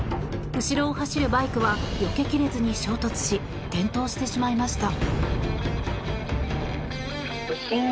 後ろを走るバイクはよけきれずに衝突し転倒してしまいました。